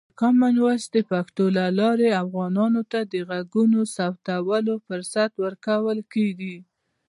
د کامن وایس پښتو له لارې، افغانانو ته د غږونو ثبتولو فرصت ورکول کېږي.